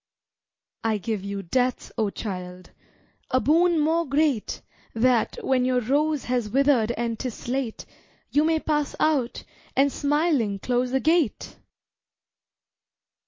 I give you Death, O child a boon more great That, when your Rose has withered and 'tis late, You may pass out and, smiling, close the gate!